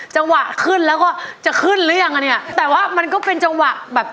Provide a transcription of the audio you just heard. จังหวะขึ้นแล้วก็จะขึ้นหรือยังอ่ะเนี้ยแต่ว่ามันก็เป็นจังหวะแบบ